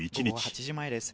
午後８時前です。